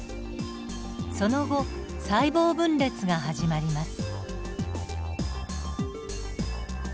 その後細胞分裂が始まります。